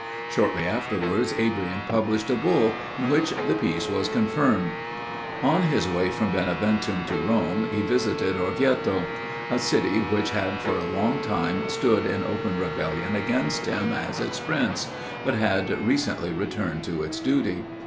Shortly afterwards Adrian published a bull, in which the peace was confirmed. On his way from Beneventum to Rome, he visited Orvieto; a city which had for a long time stood in open rebellion against him as its prince, but had recently returned to its duty.